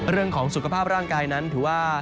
เรื่องของสุขภาพร่างกายนั้นถือว่า